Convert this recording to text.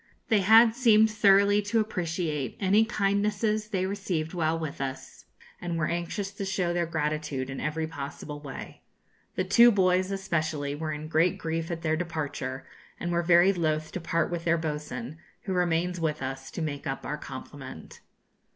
They had seemed thoroughly to appreciate any kindnesses they received while with us, and were anxious to show their gratitude in every possible way. The two boys, especially, were in great grief at their departure, and were very loth to part with their boatswain, who remains with us to make up our complement.